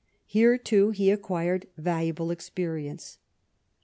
Here too he acquired valuable experience.